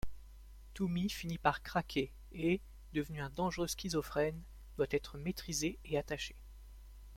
Toomy finit par craquer et, devenu un dangereux schizophrène, doit être maîtrisé et attaché.